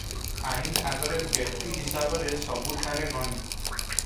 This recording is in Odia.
ଆଇନ ଆଗରେ ବ୍ୟକ୍ତି ହିସାବରେ ସବୁଠାରେ ଗଣୀ ।